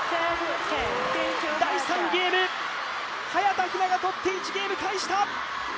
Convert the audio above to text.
第３ゲーム、早田ひながとって１ゲーム返した！